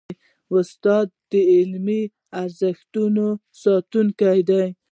استاد د علمي ارزښتونو ساتونکی دی.